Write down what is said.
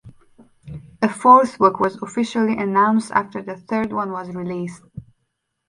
A fourth book was officially announced after the third one was released.